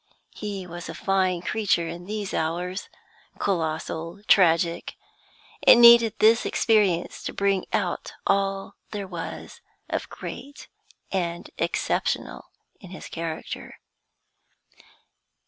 He was a fine creature in these hours, colossal, tragic; it needed this experience to bring out all there was of great and exceptional in his character.